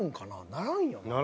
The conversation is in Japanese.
ならんよな。